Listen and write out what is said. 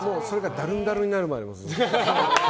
だるんだるんになるまで。